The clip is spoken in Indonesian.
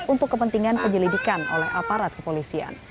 untuk kepentingan penyelidikan oleh aparat kepolisian